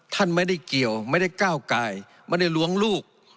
ท่านไม่ได้เกี่ยวไม่ได้ก้าวกายไม่ได้ล้วงลูก